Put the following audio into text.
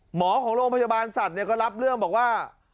หมอของโรงพยาบาลสัตว์ก็รับเรื่องบอกว่า